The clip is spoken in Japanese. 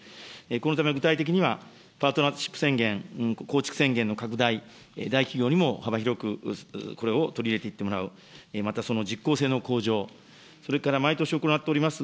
このため、具体的にはパートナーシップ宣言、構築宣言の拡大、大企業にも幅広くこれを取り入れていってもらう、またその実効性の向上、それから毎年行っております